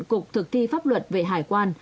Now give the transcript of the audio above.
cục thực thi pháp luật về hải quan